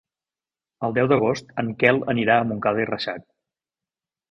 El deu d'agost en Quel anirà a Montcada i Reixac.